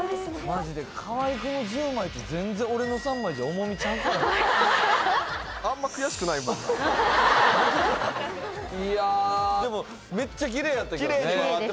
マジで河合くんの１０枚と全然俺の３枚じゃ重みちゃうからなでもめっちゃキレイやったけどね